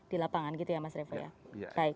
di lapangan gitu ya mas revo ya baik